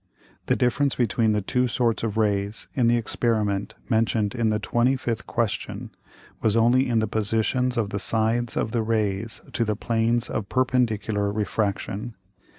The difference between the two sorts of Rays in the Experiment mention'd in the 25th Question, was only in the Positions of the Sides of the Rays to the Planes of perpendicular Refraction.